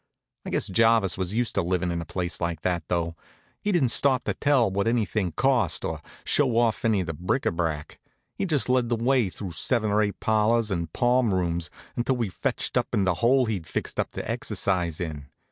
I guess Jarvis was used to livin' in a place like that, though. He didn't stop to tell what anything cost, or show off any of the bric à brac. He just led the way through seven or eight parlors and palm rooms, until we fetched up in the hole he'd fixed up to exercise in.